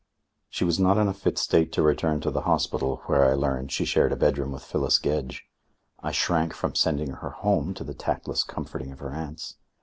She was not in a fit state to return to the hospital, where, I learned, she shared a bedroom with Phyllis Gedge. I shrank from sending her home to the tactless comforting of her aunts.